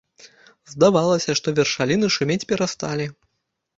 Здавалася, што вершаліны шумець перасталі.